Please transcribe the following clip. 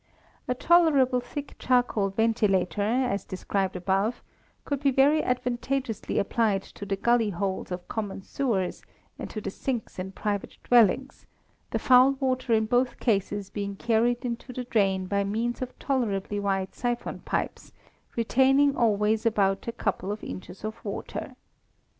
A tolerably thick charcoal ventilator, as described above, could be very advantageously applied to the gully holes of common sewers, and to the sinks in private dwellings, the foul water in both cases being carried into the drain by means of tolerably wide syphon pipes, retaining always about a couple of inches of water.